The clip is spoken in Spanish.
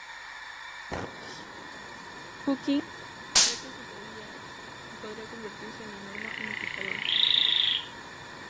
Hawkins cree que su teoría podría convertirse en la norma unificadora.